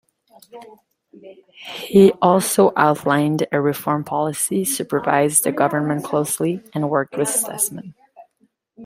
He also outlined a reform policy, supervised the government closely, and worked with statesmen.